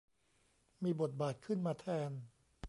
มีบทบาทขึ้นมาแทน